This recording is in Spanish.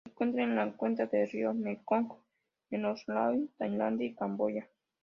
Se encuentra en la cuenca del río Mekong en Laos Tailandia y Camboya.